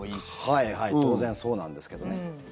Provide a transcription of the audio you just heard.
はいはい当然そうなんですけどね。